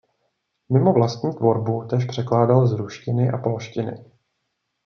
Mimo vlastní tvorbu též překládal z ruštiny a polštiny.